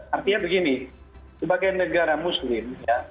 artinya begini sebagai negara muslim